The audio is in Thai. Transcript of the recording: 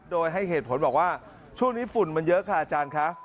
โดยให้เหตุผลบอกว่าช่วงนี้ฝุ่นมันเยอะค่ะอาจารย์คะ